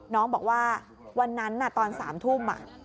น้องบอกว่าวันนั้นตอน๓ทุ่ม